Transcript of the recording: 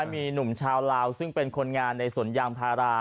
มีหนุ่มชาวลาวซึ่งเป็นคนงานในสวนยางพารา